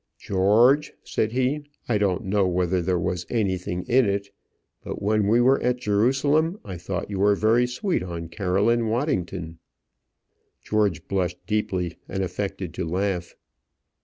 "George," said he, "I don't know whether there was anything in it, but when we were at Jerusalem, I thought you were very sweet on Caroline Waddington." George blushed deeply, and affected to laugh.